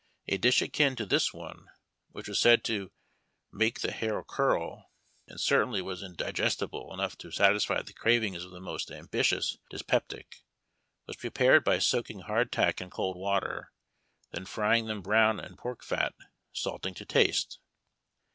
A dish akin to this one, which was said to "make the hair curl," and certainly was indigestible enough to satisfy the cravings of the most ambitious dys peptic, was prepared by soaking hardtack in cold water, then frying them brown in pork fat, salting to taste.